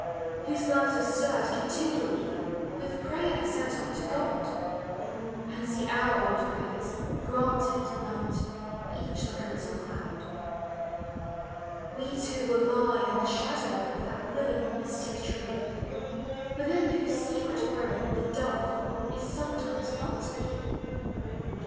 Whose lamps are stirred continually With prayer sent up to G And kit old prayers, granted, melt Each like a little cloud. K We two will lie i* the shadow That living mystic tr< Within who I growth the I' 1 91 onetimes felt to b . W ....